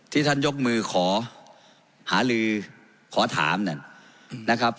ที่ท่านยกมือขอหาลือขอถามนั่นนะครับ